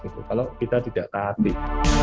kalau kita tidak tahan